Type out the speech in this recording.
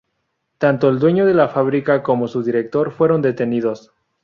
Tanto el dueño de la fábrica como su director fueron detenidos.